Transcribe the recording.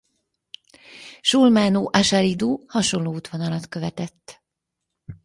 Sulmánu-asarídu hasonló útvonalat követett.